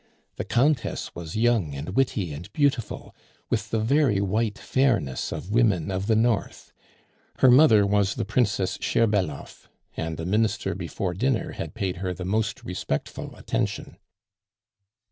The Countess was young and witty and beautiful, with the very white fairness of women of the north. Her mother was the Princess Scherbellof, and the Minister before dinner had paid her the most respectful attention.